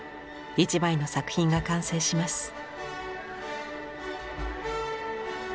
一枚の作品が完成します。